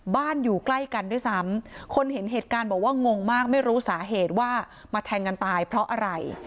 อยู่ใกล้กันด้วยซ้ำคนเห็นเหตุการณ์บอกว่างงมากไม่รู้สาเหตุว่ามาแทงกันตายเพราะอะไร